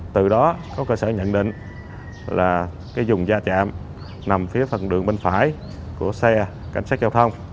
từ đó có cơ sở nhận định là dùng va chạm nằm phía phần đường bên phải của xe cảnh sát giao thông